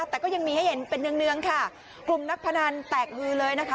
แต่ก็ยังมีให้เห็นเป็นเนืองเนืองค่ะกลุ่มนักพนันแตกฮือเลยนะคะ